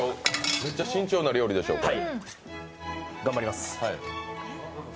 めっちゃ慎重な料理でしょうから。